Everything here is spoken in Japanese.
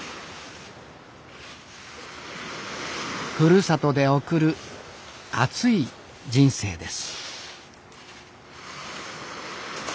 ふるさとで送る熱い人生です。